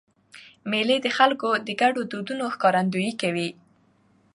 مېلې د خلکو د ګډو دودونو ښکارندویي کوي.